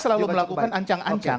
ya kita selalu melakukan ancang ancang